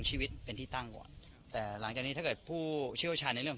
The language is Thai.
ชีวิตเป็นที่ตั้งก่อนแต่หลังจากนี้ถ้าเกิดผู้เชี่ยวชาญในเรื่อง